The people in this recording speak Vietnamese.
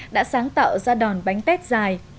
đã sáng tạo ra đòn bánh tết dài